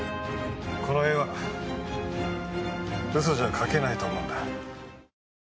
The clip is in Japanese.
この絵は嘘じゃ描けないと思うんだ。